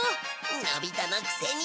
のび太のくせに。